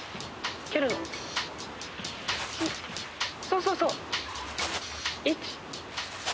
そうそうそう！